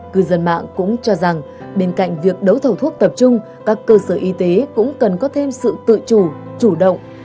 cư dân mạng cũng cho rằng bên cạnh việc đấu thầu thuốc tập trung các cơ sở y tế cũng cần có thêm sự tự chủ chủ động